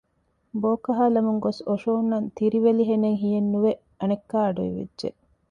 ބޯކަހާލަމުން ގޮސް އޮށޯންނަން ތިރިވެލިހެނެއް ހިޔެއްނުވެ އަނެއްކާ އަޑު އިވިއްޖެ